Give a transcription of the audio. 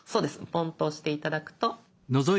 ポンと押して頂くと。